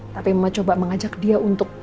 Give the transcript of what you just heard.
tapi mama coba mengajak dia untuk